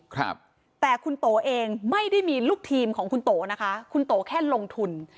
ครับแต่คุณโตเองไม่ได้มีลูกทีมของคุณโตนะคะคุณโตแค่ลงทุน